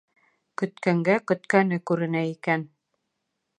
Көткәнгә көткәне күренә икән.